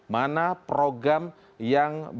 mana program yang berlangsung